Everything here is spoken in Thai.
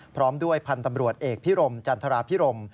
พร้อมด้วยพันธ์ตำรวจเอกพิรมจันทราพิรม